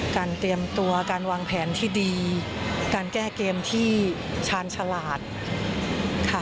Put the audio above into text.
เตรียมตัวการวางแผนที่ดีการแก้เกมที่ชาญฉลาดค่ะ